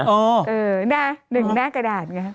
หนึ่งหน้ากระดาษไง